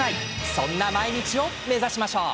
そんな毎日を目指しましょう。